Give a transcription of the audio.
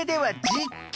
実験。